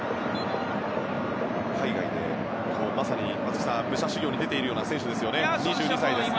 海外でまさに松木さん武者修行に出ているような選手ですよね、２２歳です。